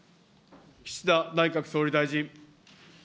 岸田内閣総理大臣。